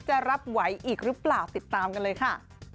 จะรับไหวอีกหรือเปล่าติดตามกันเลยค่ะ